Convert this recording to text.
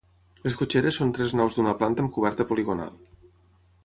Les cotxeres són tres naus d'una planta amb coberta poligonal.